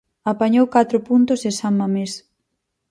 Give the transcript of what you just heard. Apañou catro puntos en San Mamés.